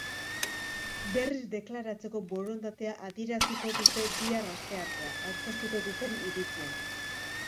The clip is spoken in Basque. Berriz deklaratzeko borondatea adieraziko dute bihar, asteartea, aurkeztuko duten idatzian.